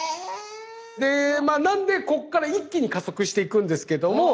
でなのでこっから一気に加速していくんですけども。